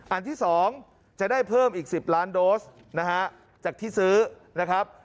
อันที่๒จะได้เพิ่มอีก๑๐ล้านโดสนะฮะจากที่ซื้อนะครับ